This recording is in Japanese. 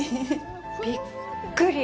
びっくり！